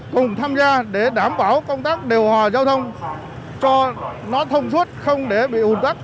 cùng tham gia để đảm bảo công tác điều hòa giao thông cho nó thông suốt không để bị ủn tắc